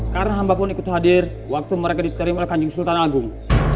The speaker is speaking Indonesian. karena hamba pun ikut hadir waktu mereka diterima oleh kanjeng sultan agung